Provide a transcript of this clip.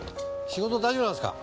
仕事大丈夫なんですか？